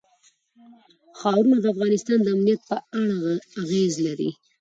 ښارونه د افغانستان د امنیت په اړه اغېز لري.